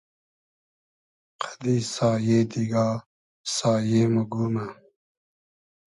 قئدی سایې دیگا سایې مۉ گومۂ